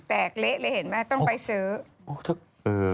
แตกเละเลยเห็นไหมต้องไปซื้อ